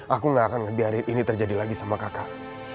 aku gak akan biarin ini terjadi lagi sama kakak